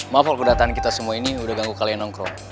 maaf kalau pendataan kita semua ini udah ganggu kalian nongkrong